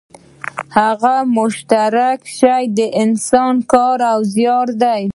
هغه مشترک شی د انسان کار او زیار دی